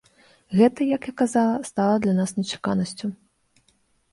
Гэта як я казала, стала для нас нечаканасцю.